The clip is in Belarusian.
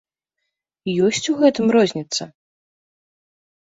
Ёсць у гэтым розніца?